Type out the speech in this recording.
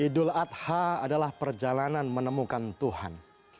idul adha adalah perjalanan menemukan tuhan